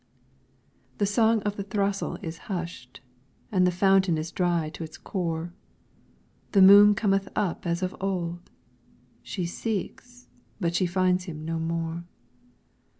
The song of the throstle is hushed, and the fountain is dry to its core; The moon cometh up as of old; she seeks, but she finds him no more.